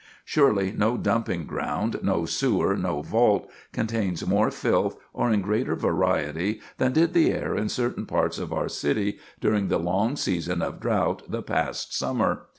Surely no dumping ground, no sewer, no vault, contains more filth or in greater variety than did the air in certain parts of our city during the long season of drought the past summer.